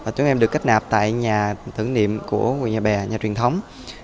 chúng em được kết nạp tại nhà thưởng niệm của quỳnh nhà bè nhà truyền thống